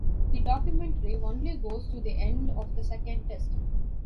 The documentary only goes to the end of the second test.